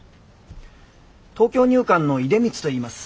東京入管の出光といいます。